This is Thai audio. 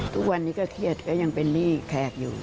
ทุกวันนี้ก็เครียดก็ยังเป็นหนี้แขกอยู่